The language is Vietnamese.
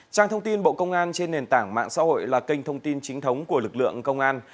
trang thông tin bộ công an trên nền tảng mạng xã hội là kênh thông tin chính thống của lực lượng công an